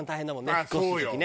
引っ越す時ね。